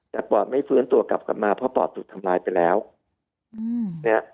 แต่ปอดไม่ฟื้นตัวกลับกลับมาเพราะปอดถูกทำร้ายไปแล้วอืมเนี่ย